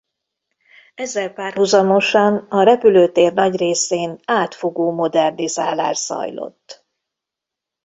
Ezzel párhuzamosan a repülőtér nagy részén átfogó modernizálás zajlott.